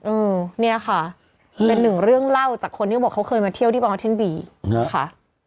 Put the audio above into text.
อืมเนี่ยค่ะเป็นหนึ่งเรื่องเล่าจากคนที่เขาบอกเขาเคยมาเที่ยวที่บางออทินบีค่ะ